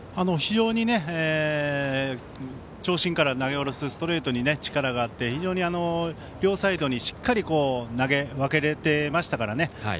非常に長身から投げ下ろすストレートに力があって非常に両サイドにしっかり投げ分けれてましたからね。